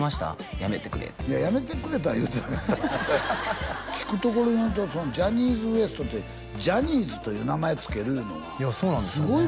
やめてくれってやめてくれとは言うてなかった聞くところによるとジャニーズＷＥＳＴってジャニーズという名前付けるいうのはそうなんですよね